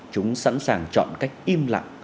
chúng sẵn sàng chọn cách im lặng